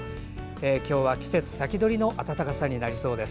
今日は季節先取りの暖かさになりそうです。